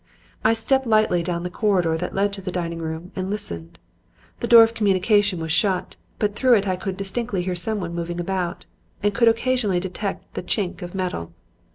"I stepped lightly down the corridor that led to the dining room and listened. The door of communication was shut, but through it I could distinctly hear someone moving about and could occasionally detect the chink of metal.